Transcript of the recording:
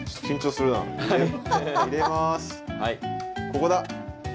ここだ！